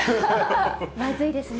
まずいですね。